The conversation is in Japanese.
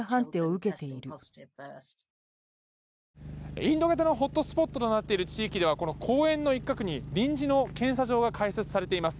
インド型のホットスポットとなっている地域ではこの公園の一角に臨時の検査場が開設されています。